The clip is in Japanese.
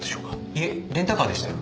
いえレンタカーでしたよ。